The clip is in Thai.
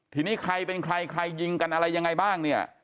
ทีนี้ใครเป็นใครใครยิงกันอะไรยังไงบ้างเนี่ย